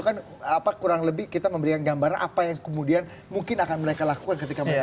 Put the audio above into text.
kan kurang lebih kita memberikan gambaran apa yang kemudian mungkin akan mereka lakukan ketika mereka